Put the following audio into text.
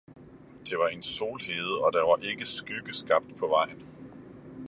Det var en solhede, og der var ikke skygge skabt på vejen.